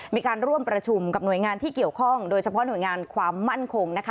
มีการร่วมประชุมกับหน่วยงานที่เกี่ยวข้องโดยเฉพาะหน่วยงานความมั่นคงนะคะ